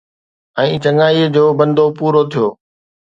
۽ چڱائي جو بندو پورو ٿيو